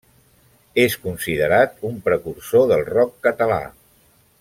És considerat un precursor del rock català.